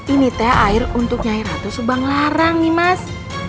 ini teh air untuk nyai ratu subanglarang nih mas